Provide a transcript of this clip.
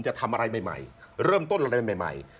คุณก็ด่าผมถูกต้องไหม